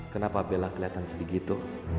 kenapa bella keliatan sedih gitu